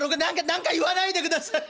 「何か言わないでください。